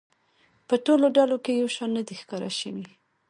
په ټولو ډلو کې یو شان نه دی ښکاره شوی.